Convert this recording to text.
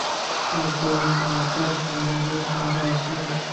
এই পুরুষ বা আত্মা-সমূহের সংখ্যা অসীম।